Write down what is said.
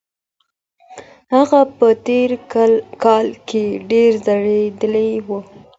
هغه په تېر کال کي ډېر ځورېدلی و.